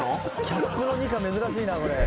キャップのニカ珍しいなこれ。